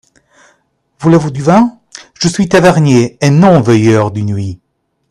Voulez-vous du vin ? je suis tavernier et non veilleur de nuit.